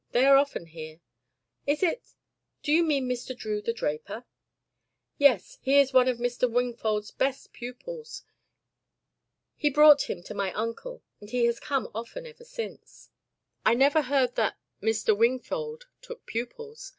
They are often here." "Is it do you mean Mr. Drew, the draper?" "Yes. He is one of Mr. Wingfold's best pupils. He brought him to my uncle, and he has come often ever since." "I never heard that Mr. Wingfold took pupils.